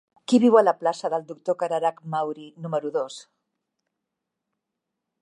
Qui viu a la plaça del Doctor Cararach Mauri número dos?